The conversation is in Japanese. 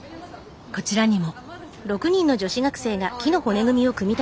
こちらにも。